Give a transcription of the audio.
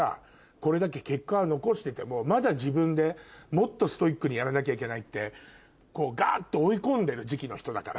これだけ結果は残しててもまだ自分でもっとストイックにやらなきゃいけないってガっと追い込んでる時期の人だから。